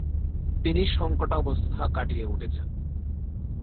তিনি শঙ্কটাবস্থা কাটিয়ে উঠেছেন।